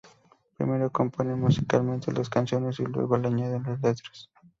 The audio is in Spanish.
Primero componen musicalmente las canciones y luego le añaden las letras.